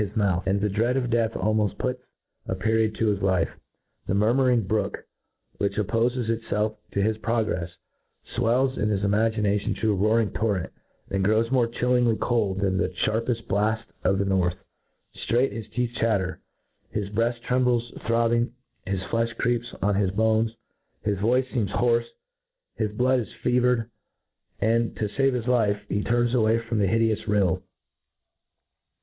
mouth, and the dfead qf death almoft puts a pe riod to Ifis life. The murmuring brook, which oppofes itfelf to his progrcfs, ^fwells in his imar gination to a roaring torrent, and grows more chillingly cold than the fharpeft blaft of the north; ftraight his teeth chatter, his bread; trembles throbbing, bis flefli creeps on his bones, hi^ vorce feems hoarf^p, his blood is fe vered; and, to fave his life, he turns away from the hideous rill.